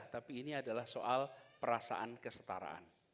tapi ini adalah soal perasaan kesetaraan